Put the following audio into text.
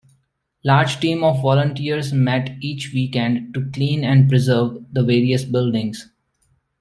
Large teams of volunteers met each week-end to clean and preserve the various buildings.